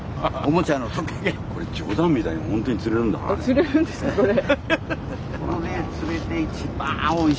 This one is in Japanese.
釣れるんですかこれ。